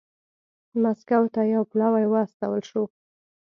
مسکو ته یو پلاوی واستول شو